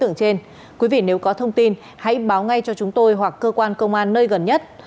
nếu có thông tin hãy báo ngay cho chúng tôi hoặc cơ quan công an nơi gần nhất